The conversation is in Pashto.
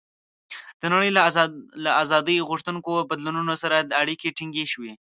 د نړۍ له آزادۍ غوښتونکو بدلونونو سره اړیکې ټینګې شوې.